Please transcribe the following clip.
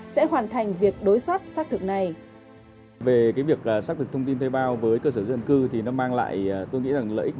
sẽ hoàn thành việc đối xót xác thực này